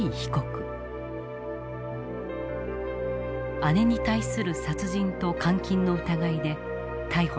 姉に対する殺人と監禁の疑いで逮捕された。